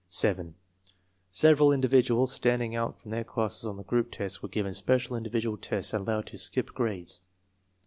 7. Several individuals standing out from their classes on the group tests were given special individual tests and allowed to "skip" grades.